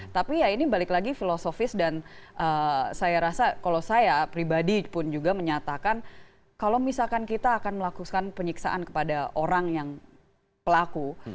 tapi ya ini balik lagi filosofis dan saya rasa kalau saya pribadi pun juga menyatakan kalau misalkan kita akan melakukan penyiksaan kepada orang yang pelaku